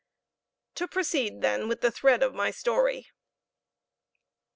To proceed, then, with the thread of my story.